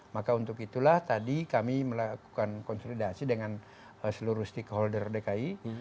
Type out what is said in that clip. maka untuk itulah tadi kami melakukan konsolidasi dengan seluruh stakeholder dki